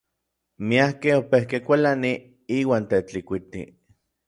Miakej opejkej kualanij iuan Tetlikuiti.